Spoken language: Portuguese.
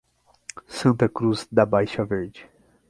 Santa Cruz da Baixa Verde